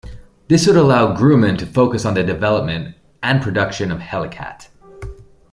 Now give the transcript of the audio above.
This would allow Grumman to focus on the development and production of Hellcat.